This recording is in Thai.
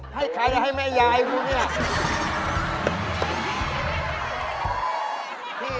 ให้ใครล่ะให้แม่ยายพวกนี้